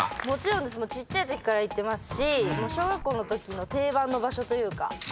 もちろんですちっちゃいときから行ってますし小学校のときの定番の場所というか。